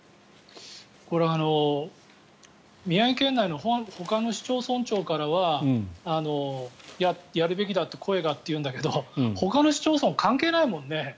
これ、宮城県内のほかの市町村長からはやるべきだという声がというんだけどほかの市町村は関係ないもんね。